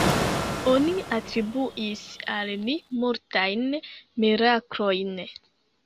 Oni atribuis al li multajn miraklojn.